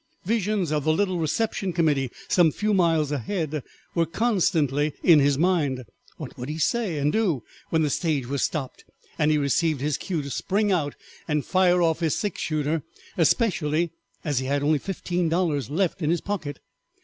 Visions of the little reception committee some few miles ahead were constantly in his mind. What would he say and do when the stage was stopped, and he received his cue to spring out and fire off his six shooter, especially as he had only fifteen dollars left in his pocket.